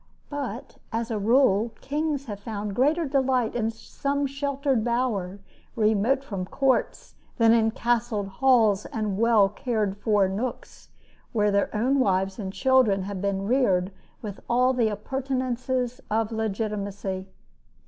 But, as a rule, kings have found greater delight in some sheltered bower remote from courts than in the castled halls and well cared for nooks where their own wives and children have been reared with all the appurtenances of legitimacy.